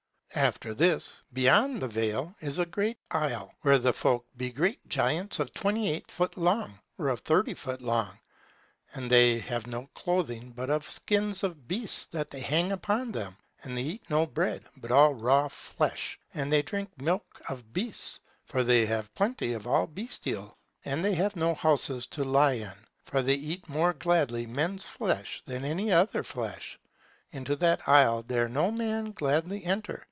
After this, beyond the vale, is a great isle, where the folk be great giants of twenty eight foot long, or of thirty foot long. And they have no clothing but of skins of beasts that they hang upon them. And they eat no bread, but all raw flesh; and they drink milk of beasts, for they have plenty of all bestial. And they have no houses to lie in. And they eat more gladly man’s flesh than any other flesh. Into that isle dare no man gladly enter.